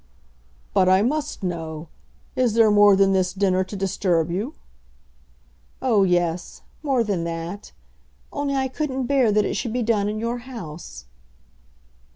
"But I must know. Is there more than this dinner to disturb you?" "Oh, yes; more than that. Only I couldn't bear that it should be done in your house."